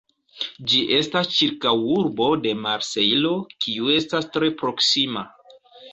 Ĝi estas ĉirkaŭurbo de Marsejlo, kiu estas tre proksima.